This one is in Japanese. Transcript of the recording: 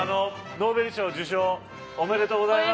ノーベル賞受賞おめでとうございます。